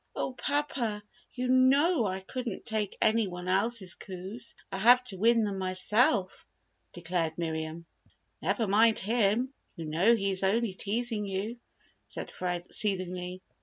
"Oh, papa! you know I couldn't take any one else's coups! I have to win them myself!" declared Miriam. "Never mind him, you know he is only teasing you," said Fred, soothingly.